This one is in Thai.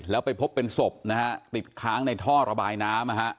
แล้วไปพบเป็นศพนะฮะติดค้างในท่อระบายน้ำนะฮะ